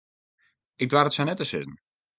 Ik doar it sa net te sizzen.